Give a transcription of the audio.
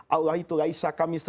allah itu laisa kamisah